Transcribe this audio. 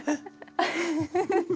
フフフ！